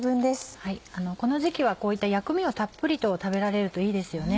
この時期はこういった薬味をたっぷりと食べられるといいですよね。